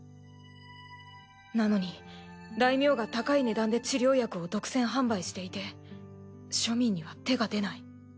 なのに大名が高い値段で治療薬を独占販売していて庶民には手が出ない。